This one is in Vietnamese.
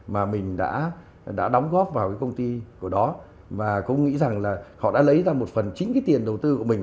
mà mình đã đóng góp vào cái công ty của đó và cũng nghĩ rằng là họ đã lấy ra một phần chính cái tiền đầu tư của mình